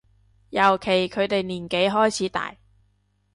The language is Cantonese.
尤其佢哋年紀開始大